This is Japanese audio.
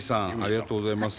ありがとうございます。